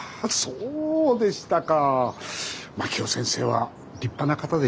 そうでしたか。